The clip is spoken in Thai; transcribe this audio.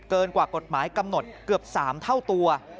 กว่ากฎหมายกำหนดเกือบ๓เท่าตัว